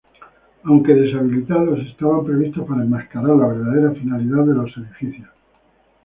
Aunque deshabitados, estaban previstos para enmascarar la verdadera finalidad de los edificios.